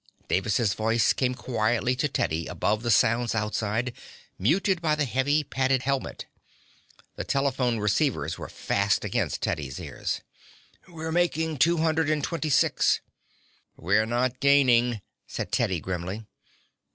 Davis' voice came quietly to Teddy above the sounds outside, muted by the heavy, padded helmet. The telephone receivers were fast against Teddy's ears. "We're making two hundred and twenty six." "We're not gaining," said Teddy grimly.